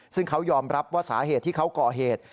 ซึ่งเขายอมรับว่าสาเหตุที่เขาก่อเหตุ